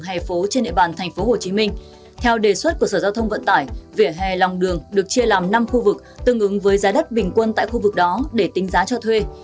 hè phố trên địa bàn tp hcm theo đề xuất của sở giao thông vận tải vỉa hè lòng đường được chia làm năm khu vực tương ứng với giá đất bình quân tại khu vực đó để tính giá cho thuê